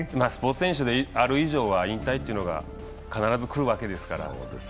スポーツ選手である以上は引退というのが必ず来るわけですから。